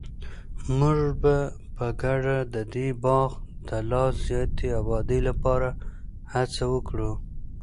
موږ به په ګډه د دې باغ د لا زیاتې ابادۍ لپاره هڅه وکړو.